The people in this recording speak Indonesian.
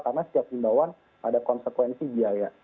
karena kelas himbauan ada konsekuensi biaya